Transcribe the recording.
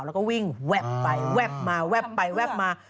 แล้วก็วิ่งแวบไปแวบมาแวบไปแวบมา